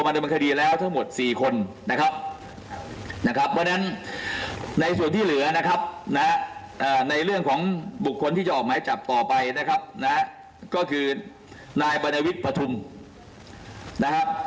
นะครับแล้ววันนี้ในส่วนผู้ร่วมขบวนการยังมีมากกว่านี้อีกนะครับ